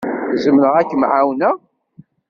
Zemreɣ ad kem-ɛawneɣ?